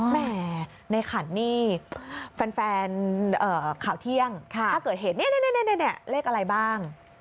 แหมในขันนี่แฟนข่าวเที่ยงถ้าเกิดเหตุเนี่ยเลขอะไรบ้าง